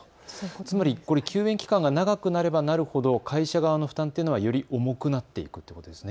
つまり休園期間が長くなればなるほど会社側の負担というのはより重くなっていくということですね。